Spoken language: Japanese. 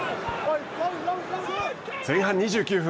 前半２９分。